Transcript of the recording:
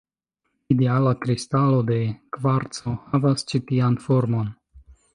Ideala kristalo de kvarco havas ĉi tian formon.